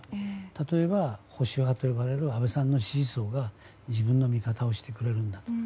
例えば保守派と呼ばれる安倍さんの支持層は自分の味方をしてくれると。